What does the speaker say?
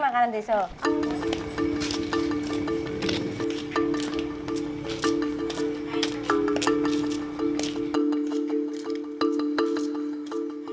makakannya coba asal